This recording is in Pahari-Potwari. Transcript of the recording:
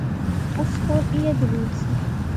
اس کول ایہہ دلیل سی